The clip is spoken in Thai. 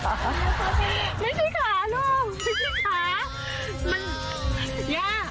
ไม่ใช่ขาลูก